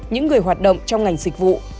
những người hoạt động trong ngành dịch vụ